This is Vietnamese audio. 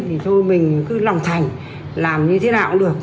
thì thôi mình cứ lòng thành làm như thế nào cũng được